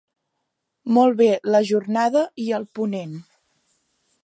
Molt bé la jornada i el ponent.